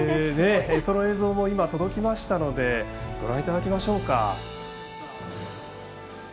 その映像も届きましたのでご覧いただきましょう。